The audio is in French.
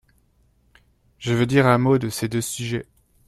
Je veux dire un mot de ces deux sujets.